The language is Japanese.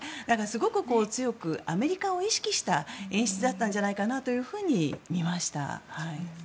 すごく強くアメリカを意識した演出だったんじゃないかなというふうに見ました。